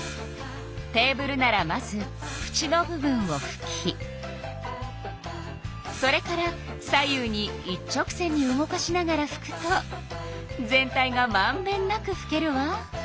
テーブルならまずふちの部分をふきそれから左右に一直線に動かしながらふくと全体がまんべんなくふけるわ。